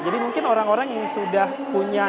jadi mungkin orang orang yang sudah mau lebaran